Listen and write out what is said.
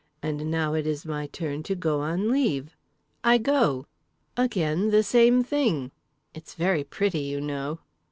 And now it is my turn to go on leave. I go. Again the same thing. It's very pretty, you know."